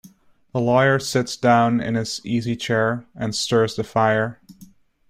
The lawyer sits down in his easy-chair and stirs the fire.